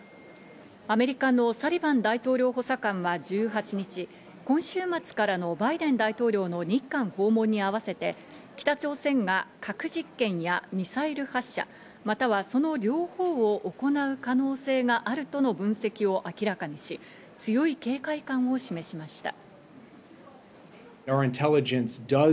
アメリカのサリバン大統領補佐官は１８日、今週末からのバイデン大統領の日韓訪問に合わせて、北朝鮮が核実験やミサイル発射、またはその両方を行う可能性があるとの分析を明らかにし、強い警戒感を示しました。